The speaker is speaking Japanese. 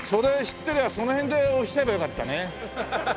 てりゃその辺で押しちゃえばよかったね。